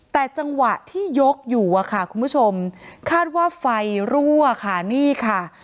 แต่จังหวะที่ยกอยู่อะค่ะคุณผู้ชมคาดว่าไฟรั่วค่ะนี่ค่ะ